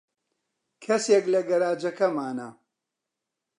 کەسێک لە گەراجەکەمانە.